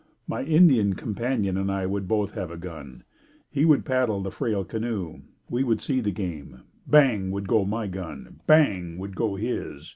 My Indian companion and I would both have a gun. He would paddle the frail canoe. We would see the game. "Bang!" would go my gun. "Bang!" would go his.